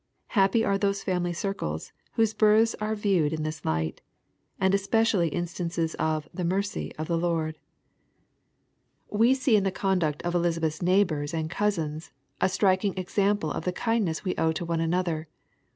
Happy are those family circles, whose births are viewed in this light — as especial instances of "the mercy" of the Lord, iO EXPOSITOBT THOUGHTR. We see in the conduct of Eliasbeth's neighbors and couBins^ a striking example of the kindness we owe to one another.